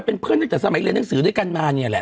เป็นเพื่อนตั้งแต่สมัยเรียนหนังสือด้วยกันมาเนี่ยแหละ